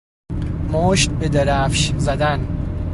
مشت بدرفش زدن